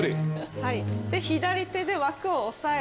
はい。